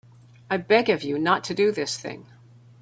I beg of you not to do this thing.